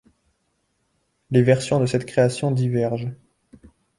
Les versions de cette création divergent.